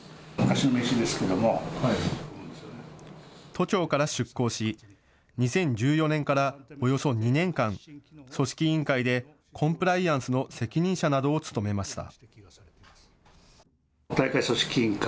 都庁から出向し２０１４年からおよそ２年間、組織委員会でコンプライアンスの責任者などを務めました。